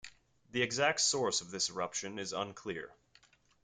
The exact source of this eruption is unclear.